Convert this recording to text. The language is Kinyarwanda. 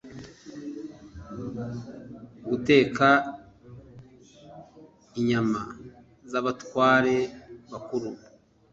Guteka inyama z abatware bakuru